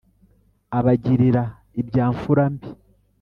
Abagirira ibya mfura mbi